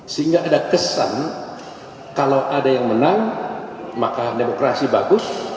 sehingga ada kesan kalau ada yang menang maka demokrasi bagus